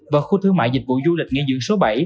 và khu thương mại dịch vụ du lịch nghỉ dưỡng số bảy